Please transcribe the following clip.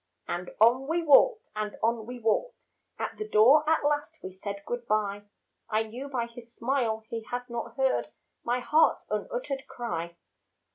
And on we walked and on we walked, At the door at last we said good bye; I knew by his smile he had not heard My heart's unuttered cry.